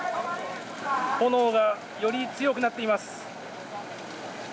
炎がより強くなっています。